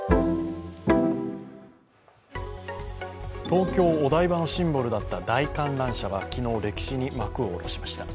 東京・お台場のシンボルだった大観覧車が昨日、歴史に幕を下ろしました。